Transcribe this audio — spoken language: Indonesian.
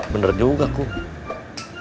bener juga kuk